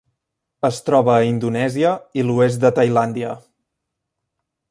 Es troba a Indonèsia i l'oest de Tailàndia.